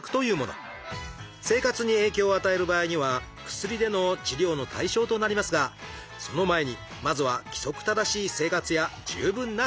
生活に影響を与える場合には薬での治療の対象となりますがその前にまずは規則正しい生活や十分な睡眠。